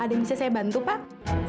ada yang bisa saya bantu pak